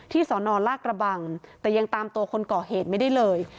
สอนอลากระบังแต่ยังตามตัวคนก่อเหตุไม่ได้เลย